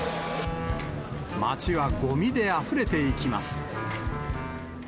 街はごみであふれていきます。